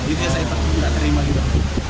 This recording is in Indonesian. jadi saya tak terima gitu